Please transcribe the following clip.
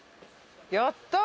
やった。